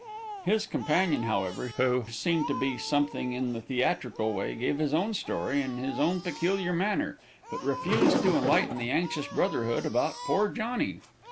His companion, however, who seemed to be something in the theatrical way, gave his own story in his own peculiar manner, but refused to enlighten the anxious brotherhood about poor Johnny.